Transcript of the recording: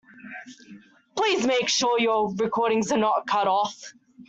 Please make sure your recordings are not cut off.